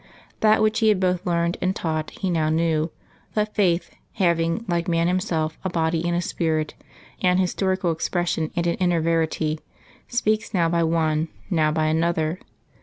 That which he had both learned and taught he now knew, that Faith, having, like man himself, a body and a spirit an historical expression and an inner verity speaks now by one, now by another.